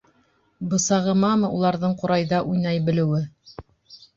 Бысағымамы уларҙың ҡурайҙа уйнай белеүе?